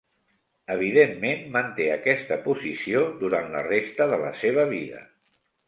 Evidentment, manté aquesta posició durant la resta de la seva vida.